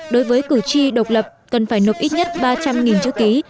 đối với cử tri độc lập cần phải nộp ít nhất ba trăm linh chữ ký